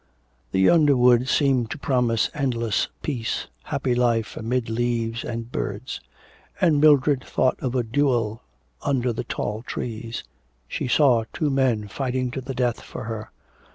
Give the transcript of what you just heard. The underwood seemed to promise endless peace, happy life amid leaves and birds; and Mildred thought of a duel under the tall trees. She saw two men fighting to the death for her.